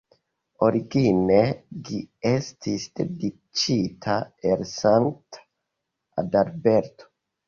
Origine ĝi estis dediĉita al Sankta Adalberto.